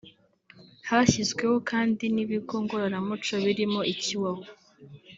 Hashyizweho kandi n’ibigo ngororamuco birimo icy’Iwawa